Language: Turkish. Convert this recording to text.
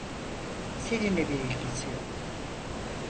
Seninle bir ilgisi yok.